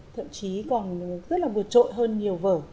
thậm chí còn rất là vượt trội hơn nhiều vở